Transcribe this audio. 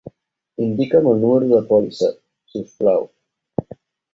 Indica'm el número de pòlissa, si us plau.